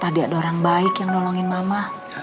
tadi ada orang baik yang nolongin mama